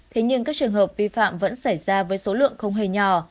thế nhưng các trường hợp vi phạm vẫn xảy ra với số lượng không hề nhỏ